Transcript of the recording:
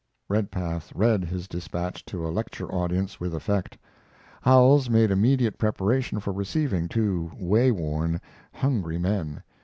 Redpath read his despatch to a lecture audience, with effect. Howells made immediate preparation for receiving two way worn, hungry men.